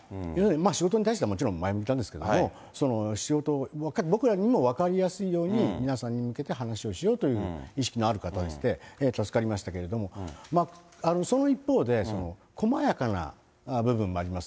仕事に対してはもちろん前向きなんですけれども、仕事、僕らにも分かりやすいように、皆さんに向けて話をしようという意識のある方でして、助かりましたけど、その一方で、細やかな部分もあります。